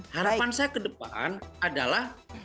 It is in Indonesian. harapan saya ke depan adalah